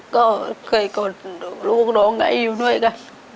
ก็เคยโกรธลูกร้องไงอยู่ด้วยกัน